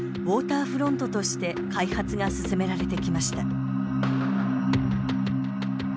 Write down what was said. ウォーターフロントとして開発が進められてきました。